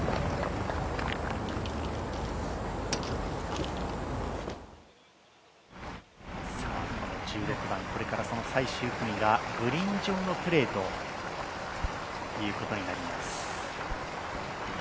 この１６番、これから最終組がグリーン上のプレーということになります。